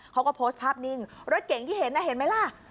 เขาก็โพสต์ภาพนิ่งรถเก่งที่เห็นน่ะเห็นไหมล่ะ